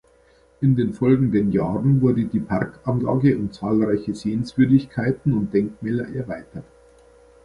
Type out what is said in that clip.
In den folgenden Jahren wurde die Parkanlage um zahlreiche Sehenswürdigkeiten und Denkmäler erweitert.